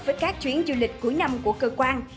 với các chuyến du lịch cuối năm của cơ quan